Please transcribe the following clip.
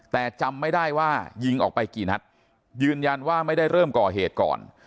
แต่จำไม่ได้ว่ายิงออกไปกี่นัดยืนยันว่าไม่ได้เริ่มก่อเหตุก่อน